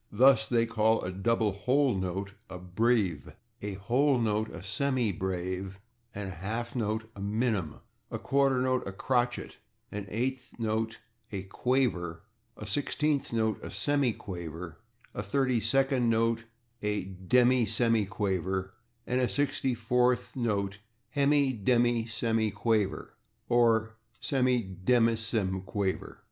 Thus they call a double whole note a /breve/, a whole note a /semibreve/, a half note a /minim/, a quarter note a /crotchet/, an eighth note a /quaver/, a sixteenth note a /semi quaver/, a thirty second note a /demisemiquaver/, and a sixty fourth note a /hemidemisemiquaver/, or /semidemisemiquaver